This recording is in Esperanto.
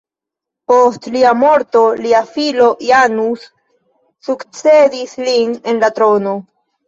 Post lia morto, lia filo Janus sukcedis lin en la trono.